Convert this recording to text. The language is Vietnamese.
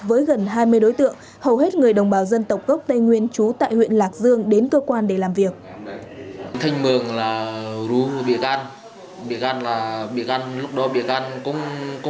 với gần hai mươi đối tượng hầu hết người đồng bào dân tộc gốc tây nguyên trú tại huyện lạc dương đến cơ quan để làm việc